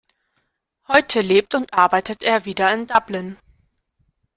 Heute lebt und arbeitet er wieder in Dublin.